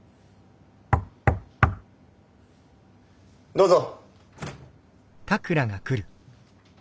どうぞ。